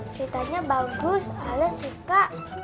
ceritanya bagus allah suka